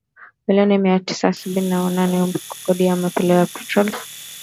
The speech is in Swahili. milioni mia mbili tisini na nane kwa Mfuko wa Kodi ya Maendeleo ya Petroli